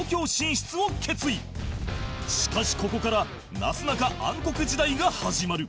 しかしここからなすなか暗黒時代が始まる